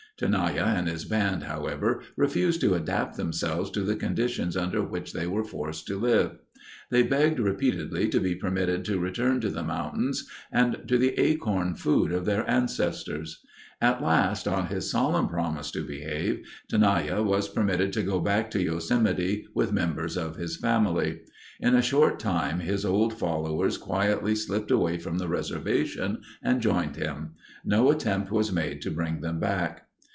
Tenaya and his band, however, refused to adapt themselves to the conditions under which they were forced to live. They begged repeatedly to be permitted to return to the mountains and to the acorn food of their ancestors. At last, on his solemn promise to behave, Tenaya was permitted to go back to Yosemite with members of his family. In a short time his old followers quietly slipped away from the reservation and joined him. No attempt was made to bring them back.